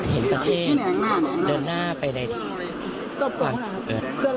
เห็นประเทศเดินหน้าไปในที่ความสุข